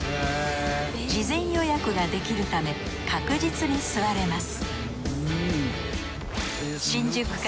事前予約ができるため確実に座れます